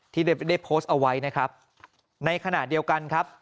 ที่ได้ได้โพสต์เอาไว้นะครับในขณะเดียวกันครับ